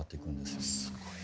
すごい。